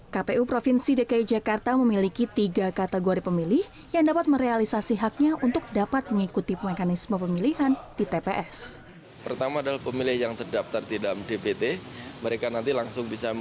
kpu provinsi dki jakarta memiliki tiga kategori pemilih yang dapat merealisasi haknya untuk dapat mengikuti mekanisme pemilihan di tps